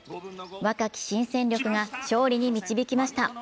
若き新戦力が勝利に導きました。